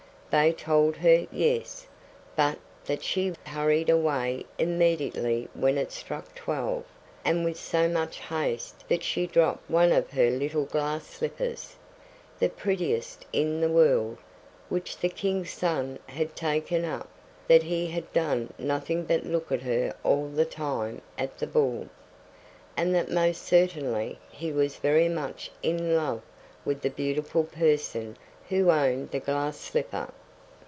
They told her: Yes, but that she hurried away immediately when it struck twelve, and with so much haste that she dropped one of her little glass slippers, the prettiest in the world, which the King's son had taken up; that he had done nothing but look at her all the time at the ball, and that most certainly he was very much in love with the beautiful person who owned the glass slipper.